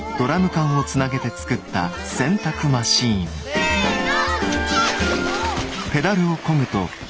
せの！